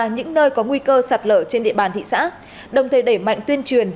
những nơi có nguy cơ sạt lở trên địa bàn thị xã đồng thời đẩy mạnh tuyên truyền